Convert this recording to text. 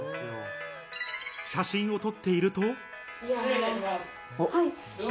写真を撮っていると。